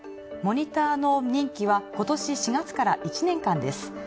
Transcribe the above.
モニターの任期は今年４月から１年間です。